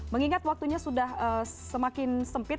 mengingat waktunya sudah semakin sempit